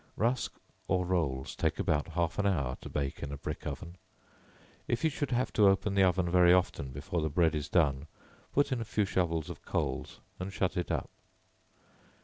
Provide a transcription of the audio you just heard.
Rusk, or rolls, take about half an hour to bake in a brick oven; if you should have to open the oven very often before the bread is done, put in a few shovels of coals and shut it up.